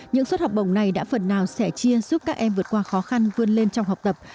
những suất học bổng này đã phần nào sẻ chia giúp các em vượt qua khó khăn vươn lên trong học tập